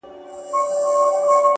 داده ميني ښار وچاته څه وركوي ـ